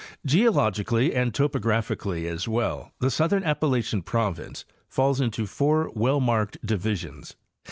Geologically, and topographically as well, the southern Appa lachian province falls into four well marked divisions.